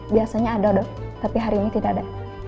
biasanya ada dok tapi hari ini tidak ada